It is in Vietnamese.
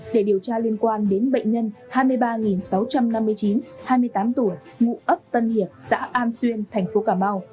để điều tra liên quan đến bệnh nhân hai mươi ba sáu trăm năm mươi chín hai mươi tám tuổi ngụ ấp tân hiệp xã an xuyên thành phố cà mau